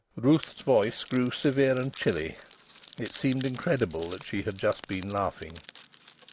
Ruth's voice grew severe and chilly. It seemed incredible that she had just been laughing.